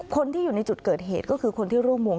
คนที่อยู่ในจุดเกิดเหตุก็คือคนที่ร่วมวง